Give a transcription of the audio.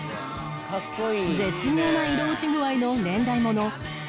絶妙な色落ち具合の年代物